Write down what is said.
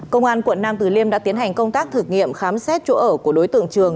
công an quận nam từ liêm đã tiến hành công tác thực nghiệm khám xét chỗ ở của đối tượng trường